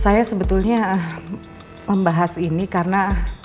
saya sebetulnya membahas ini karena